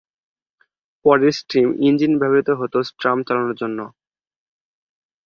পরে steam engine ব্যবহৃত হত ট্রাম চালানোর জন্য।